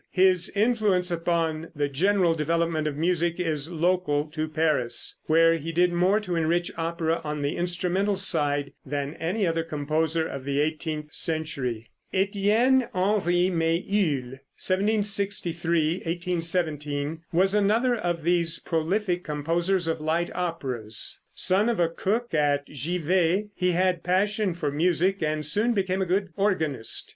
His influence upon the general development of music is local to Paris, where he did more to enrich opera on the instrumental side than any other composer of the eighteenth century. Étienne Henri Méhul (1763 1817) was another of these prolific composers of light operas. Son of a cook at Givet, he had passion for music, and soon became a good organist.